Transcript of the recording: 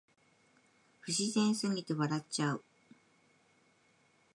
不自然すぎて笑っちゃう